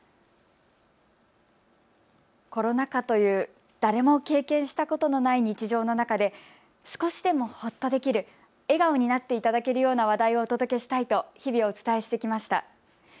コロナ禍という誰も経験したことのない日常の中で少しでもほっとできる、笑顔になっていただけるような話題をお伝えしたいと日々、お伝えしてきました。